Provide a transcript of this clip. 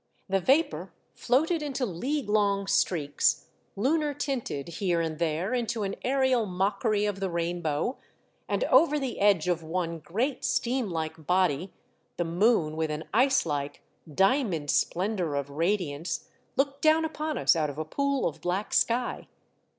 The vapour floated into league long streaks, lunar tinted here and there into an aerial mockery of the rainbow, and over the edge of one great steam like body the moon, with an ice like, diamond splendour of radiance, looked down upon us out of a pool of black sky.